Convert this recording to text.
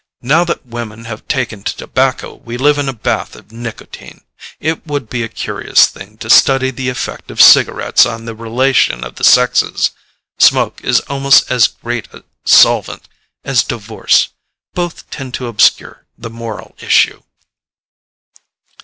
Now that women have taken to tobacco we live in a bath of nicotine. It would be a curious thing to study the effect of cigarettes on the relation of the sexes. Smoke is almost as great a solvent as divorce: both tend to obscure the moral issue."